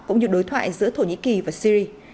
cũng như đối thoại giữa thổ nhĩ kỳ và syri